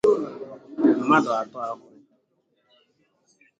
mmadụ atọ ahụ